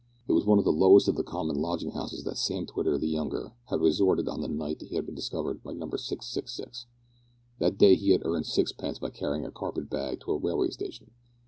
It was to one of the lowest of the common lodging houses that Sam Twitter the younger had resorted on the night he had been discovered by Number 666. That day he had earned sixpence by carrying a carpet bag to a railway station.